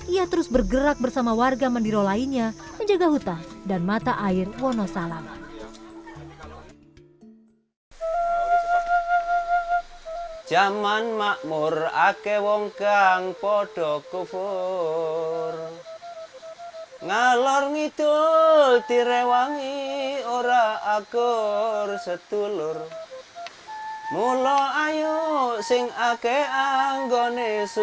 ia terus bergerak bersama warga mandiro lainnya menjaga hutah dan mata air wonosalaman